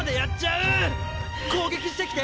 攻撃してきて！